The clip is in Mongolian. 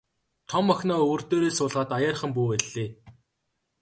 Том охиноо өвөр дээрээ суулгаад аяархан бүүвэйллээ.